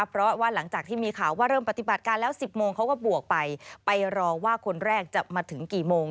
เพราะว่าหลังจากที่มีข่าวว่าเริ่มปฏิบัติการแล้ว๑๐โมงเขาก็บวกไปไปรอว่าคนแรกจะมาถึงกี่โมง